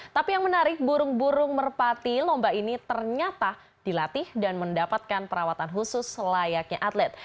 tapi yang menarik burung burung merpati lomba ini ternyata dilatih dan mendapatkan perawatan khusus selayaknya atlet